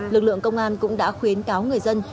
lực lượng công an cũng đã khuyến cáo người dân